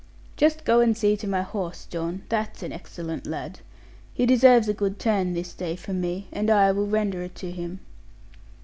Just go and see to my horse, John, that's an excellent lad. He deserves a good turn this day, from me; and I will render it to him.'